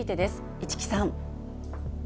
市來さん。